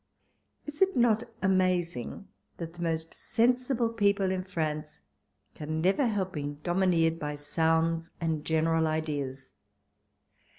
Is it not amazing that the most sensible people in France can never help being domineered by sounds and general ideas?